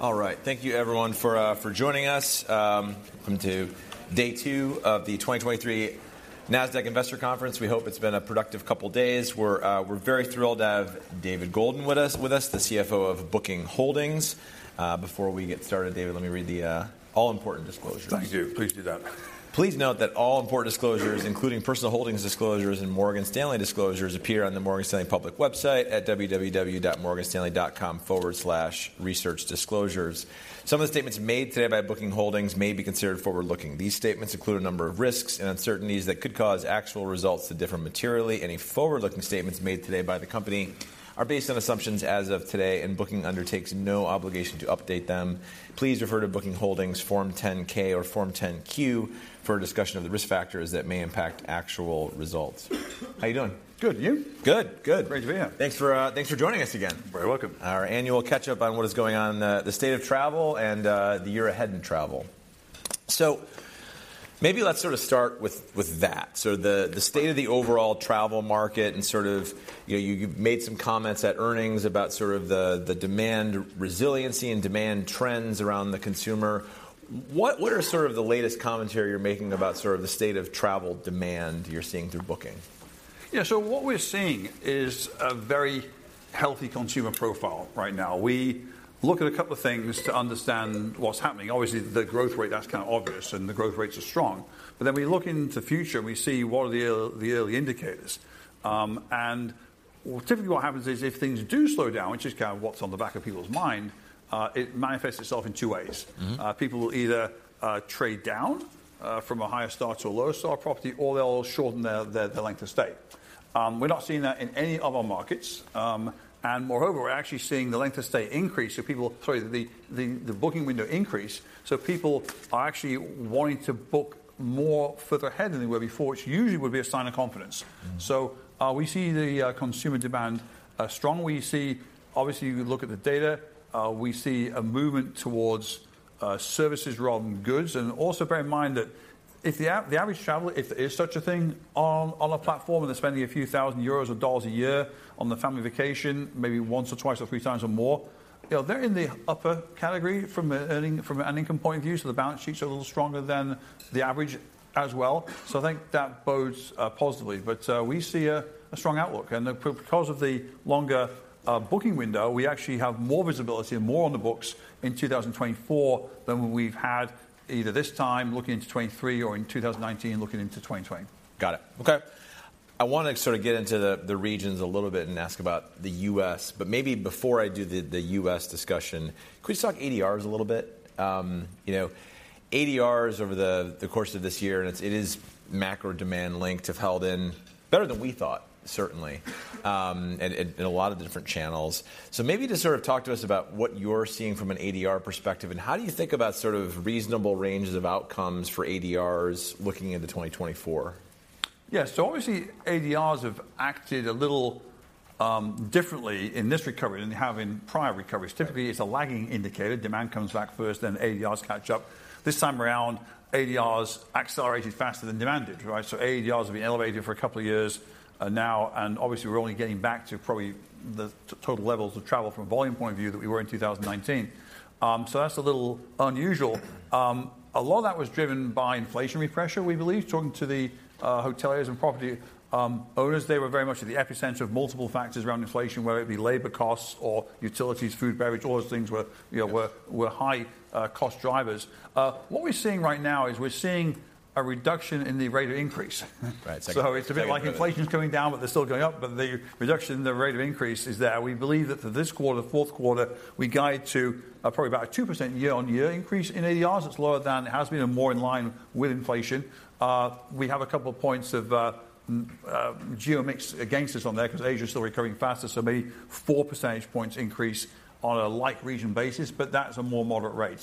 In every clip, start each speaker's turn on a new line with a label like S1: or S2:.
S1: All right. Thank you everyone for joining us into day two of the 2023 Nasdaq Investor Conference. We hope it's been a productive couple days. We're very thrilled to have David Goulden with us, the CFO of Booking Holdings. Before we get started, David, let me read the all-important disclosures.
S2: Please do. Please do that.
S1: Please note that all important disclosures, including Personal Holdings Disclosures and Morgan Stanley Disclosures, appear on the Morgan Stanley public website at www.morganstanley.com/researchdisclosures. Some of the statements made today by Booking Holdings may be considered forward-looking. These statements include a number of risks and uncertainties that could cause actual results to differ materially. Any forward-looking statements made today by the company are based on assumptions as of today, and Booking undertakes no obligation to update them. Please refer to Booking Holdings Form 10-K or Form 10-Q for a discussion of the risk factors that may impact actual results. How you doing?
S2: Good. You?
S1: Good, good.
S2: Great to be here.
S1: Thanks for joining us again.
S2: Very welcome.
S1: Our annual catch-up on what is going on, the state of travel and, the year ahead in travel. So maybe let's sort of start with that. The state of the overall travel market and sort of, you know, you've made some comments at earnings about sort of the demand resiliency and demand trends around the consumer. What are sort of the latest commentary you're making about sort of the state of travel demand you're seeing through booking?
S2: Yeah, so what we're seeing is a very healthy consumer profile right now. We look at a couple of things to understand what's happening. Obviously, the growth rate, that's obvious, and the growth rates are strong. Then we look into the future, and we see what are the early indicators. Well, typically what happens is, if things do slow down, which is kind of what's on the back of people's mind, it manifests itself in two ways. People will either trade down from a higher star to a lower star property, or they'll shorten their length of stay. We're not seeing that in any of our markets. Moreover, we're actually seeing the length of stay increase, so people, sorry, the booking window increase, so people are actually wanting to book more further ahead than they were before, which usually would be a sign of confidence. We see the consumer demand strong. We see, obviously, if you look at the data, we see a movement towards services rather than goods. Bear in mind that if the average traveler, if there is such a thing, on a platform, and they're spending a few thousand euros or dollars a year on their family vacation, maybe once or twice or three times or more, you know, they're in the upper category from an earning, from an income point of view, so the balance sheets are a little stronger than the average as well. I think that bodes positively. We see a strong outlook. Because of the longer booking window, we actually have more visibility and more on the books in 2024 than we've had either this time, looking into 2023 or in 2019, looking into 2020.
S1: Got it. Okay. I wanna sort of get into the regions a little bit and ask about the U.S.., but maybe before I do the U.S. discussion, could we talk ADRs a little bit? You know, ADRs over the course of this year, and it is macro demand linked, have held in better than we thought, certainly, in a lot of different channels. Maybe just sort of talk to us about what you're seeing from an ADR perspective, and how do you think about sort of reasonable ranges of outcomes for ADRs looking into 2024?
S2: Yeah. Obviously, ADRs have acted a little differently in this recovery than they have in prior recoveries.
S1: Right.
S2: Typically, it's a lagging indicator. Demand comes back first, then ADRs catch up. This time around, ADRs accelerated faster than demand did, right? ADRs have been elevated for a couple of years now, and obviously, we're only getting back to probably the total levels of travel from a volume point of view that we were in 2019. That's a little unusual. A lot of that was driven by inflation, we believe. Talking to the hoteliers and property owners, they were very much at the epicenter of multiple factors around inflation, whether it be labor costs or utilities, food, beverage, all those things were, you know, were high cost drivers. What we're seeing right now is we're seeing a reduction in the rate of increase.
S1: Right.
S2: It's a bit like inflation's coming down, but they're still going up, but the reduction in the rate of increase is there. We believe that for this quarter, fourth quarter, we guide to, probably about a 2% year-on-year increase in ADRs. It's lower than it has been and more in line with inflation. We have a couple of points of, geo mix against us on there, 'cause Asia is still recovering faster, so maybe four percentage points increase on a like-region basis, but that's a more moderate rate.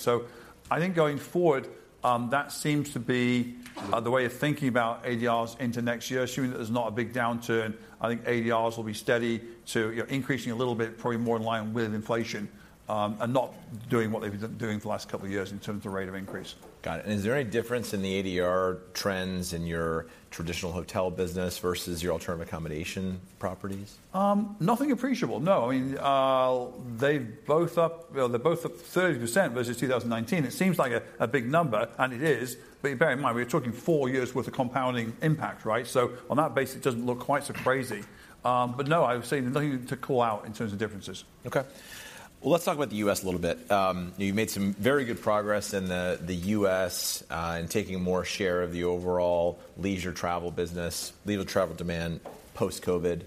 S2: I think going forward, that seems to be the way of thinking about ADRs into next year, assuming that there's not a big downturn, I think ADRs will be steady to, you know, increasing a little bit, probably more in line with inflation, and not doing what they've been doing for the last couple of years in terms of rate of increase.
S1: Got it. Is there any difference in the ADR trends in your traditional hotel business versus your alternative accommodation properties?
S2: Nothing appreciable. No. I mean, they're both up, well, they're both up 30% versus 2019. It seems like a big number, and it is, but bear in mind, we're talking four years' worth of compounding impact, right? On that basis, it doesn't look quite so crazy. But no, I would say nothing to call out in terms of differences.
S1: Okay. Well, let's talk about the U.S. a little bit. You made some very good progress in the U.S. in taking more share of the overall leisure travel business, leisure travel demand post-COVID.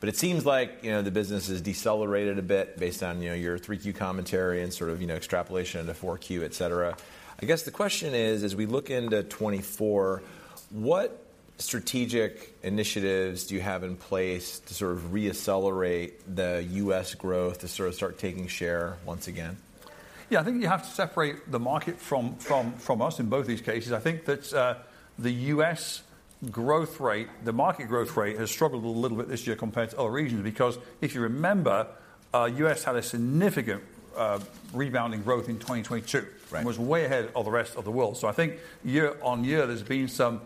S1: It seems like, you know, the business has decelerated a bit based on, you know, your 3Q commentary and sort of, you know, extrapolation into 4Q, et cetera. I guess the question is: as we look into 2024, what strategic initiatives do you have in place to sort of reaccelerate the U.S. growth, to sort of start taking share once again?
S2: Yeah, I think you have to separate the market from us in both these cases. I think that the U.S. growth rate, the market growth rate, has struggled a little bit this year compared to other regions, because if you remember, U.S. had a significant rebounding growth in 2022.
S1: Right.
S2: was way ahead of the rest of the world. So I think year-on-year, there's been some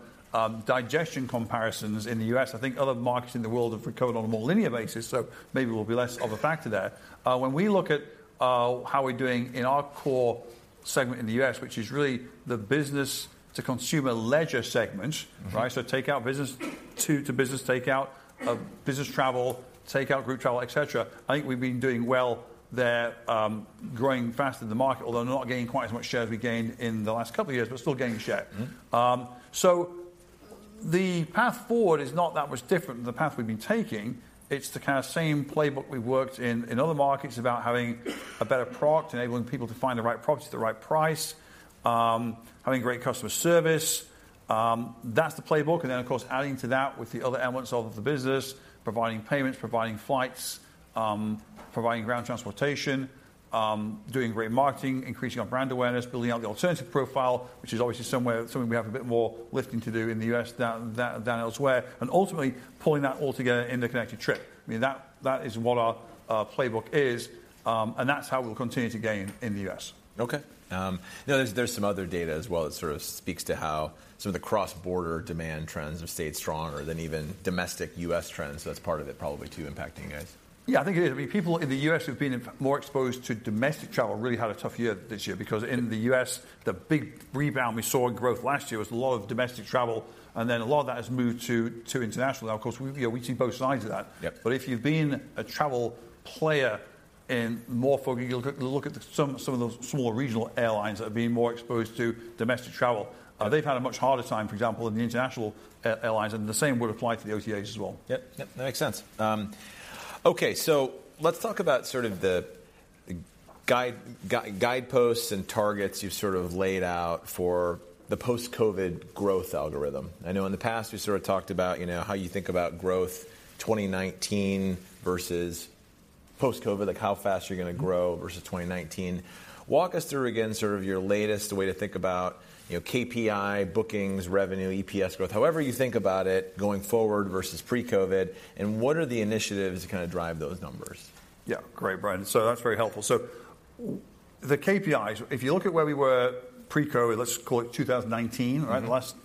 S2: digestion comparisons in the U.S. I think other markets in the world have recovered on a more linear basis, so maybe we'll be less of a factor there. When we look at how we're doing in our core segment in the U.S., which is really the business to consumer leisure segment, right? Takeout, business-to-consumer takeout, business travel, takeout group travel, et cetera. I think we've been doing well there, growing faster than the market, although not gaining quite as much share as we gained in the last couple of years, but still gaining share. The path forward is not that much different than the path we've been taking. It's the kinda same playbook we've worked in other markets about having a better product, enabling people to find the right product at the right price, having great customer service. That's the playbook. And then, of course, adding to that with the other elements of the business, providing payments, providing flights, providing ground transportation, doing great marketing, increasing our brand awareness, building out the alternative profile, which is obviously somewhere, something we have a bit more lifting to do in the U.S. than elsewhere, and ultimately pulling that all together in the Connected Trip. I mean, that, that is what our, our playbook is, and that's how we'll continue to gain in the U.S.
S1: Okay. Now, there's some other data as well that sort of speaks to how some of the cross-border demand trends have stayed stronger than even domestic U.S. trends. So that's part of it, probably, too, impacting you guys.
S2: Yeah, I think it is. I mean, people in the U.S. who've been more exposed to domestic travel really had a tough year this year, because in the U.S., the big rebound we saw in growth last year was a lot of domestic travel, and then a lot of that has moved to international. Now, of course, we see both sides of that.
S1: Yep.
S2: But if you've been a travel player in more... If you look at some of those smaller regional airlines that have been more exposed to domestic travel, they've had a much harder time, for example, than the international airlines, and the same would apply to the OTA as well.
S1: Yep. Yep, that makes sense. Okay, let's talk about sort of the guideposts and targets you've sort of laid out for the post-COVID growth algorithm. I know in the past, you sort of talked about, you know, how you think about growth 2019 versus post-COVID, like how fast you're gonna grow versus 2019. Walk us through again, sort of your latest way to think about, you know, KPI, bookings, revenue, EPS growth, however you think about it going forward versus pre-COVID, and what are the initiatives to kinda drive those numbers?
S2: Yeah. Great, Brian. That's very helpful. The KPIs, if you look at where we were pre-COVID, let's call it 2019, right?
S1: Mm-hmm.
S2: The last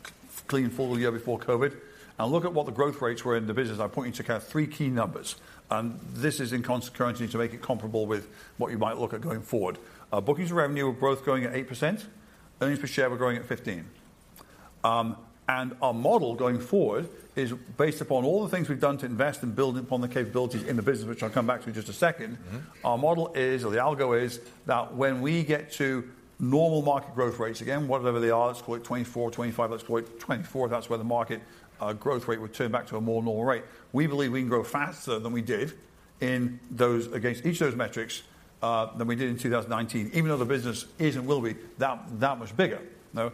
S2: clean full year before COVID, and look at what the growth rates were in the business. I'd point you to kind of three key numbers, and this is in constant currency to make it comparable with what you might look at going forward. Bookings revenue were both growing at 8%, earnings per share were growing at 15%. Our model going forward is based upon all the things we've done to invest in building upon the capabilities in the business, which I'll come back to in just a second. Our model is, or the algo is, that when we get to normal market growth rates, again, whatever they are, let's call it 2024, 2025, let's call it 2024, that's where the market growth rate would turn back to a more normal rate. We believe we can grow faster than we did in those, against each of those metrics, than we did in 2019, even though the business is and will be that, that much bigger. No?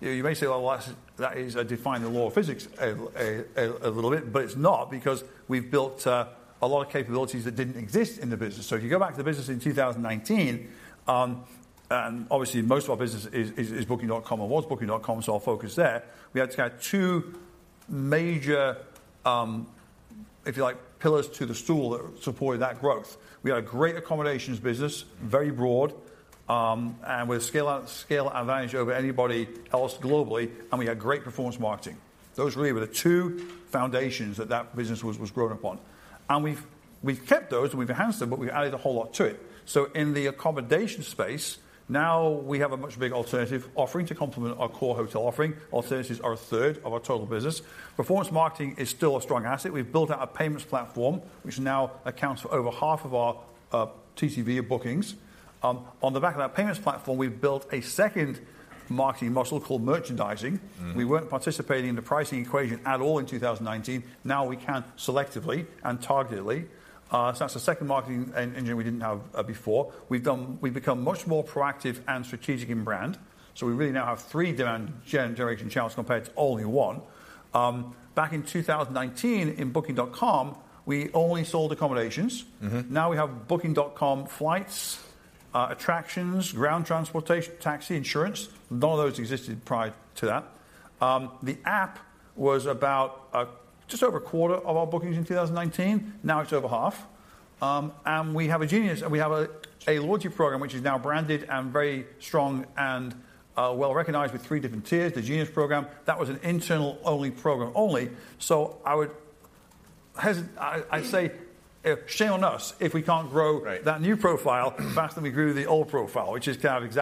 S2: You may say, "Well, that, that is defying the law of physics a little bit," but it's not, because we've built a lot of capabilities that didn't exist in the business. If you go back to the business in 2019, and obviously, most of our business is Booking.com and was Booking.com, so I'll focus there. We had to have two major, if you like, pillars to the stool that supported that growth. We had a great accommodations business, very broad, and with scale, scale advantage over anybody else globally, and we had great performance marketing. Those really were the two foundations that that business was, was grown upon. We've, we've kept those, and we've enhanced them, but we've added a whole lot to it. In the accommodations space, now we have a much big Alternative offering to complement our core hotel offering. Alternatives are a third of our total business. Performance Marketing is still a strong asset. We've built out a payments platform, which now accounts for over half of our TTV of bookings. On the back of that payments platform, we've built a second marketing muscle called merchandising. We weren't participating in the pricing equation at all in 2019. Now we can selectively and targetedly. So that's the second marketing engine we didn't have before. We've become much more proactive and strategic in brand. We really now have three demand generation channels compared to only one. Back in 2019, in Booking.com, we only sold accommodations. Now we have Booking.com flights, attractions, ground transportation, taxi, insurance. None of those existed prior to that. The app was about just over a quarter of our bookings in 2019. Now it's over half. We have a Genius, and we have a loyalty program, which is now branded and very strong and well-recognized with three different tiers, the Genius program. That was an internal only program only. I would hesitate. I'd say, shame on us if we can't grow-
S1: Right...
S2: that new profile faster than we grew the old profile, which is kind of exciting.